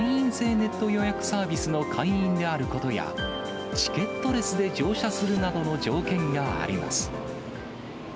ネット予約サービスの会員であることや、チケットレスで乗車するなどの条件があります。